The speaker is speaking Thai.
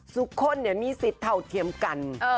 สุขนเนี้ยมีศิษย์เท่าเทียมกันเออ